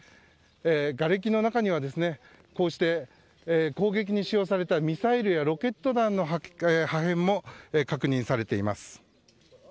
がれきの中にはこうして攻撃に使用されたミサイルやロケット弾の破片も確認されています。